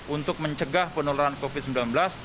untuk mencegah penularan covid sembilan belas